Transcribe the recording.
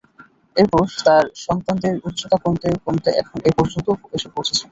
এরপর তাঁর সন্তানদের উচ্চতা কমতে কমতে এখন এ পর্যন্ত এসে পৌছেছে।